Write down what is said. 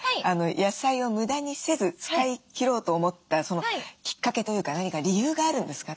野菜を無駄にせず使い切ろうと思ったそのきっかけというか何か理由があるんですか？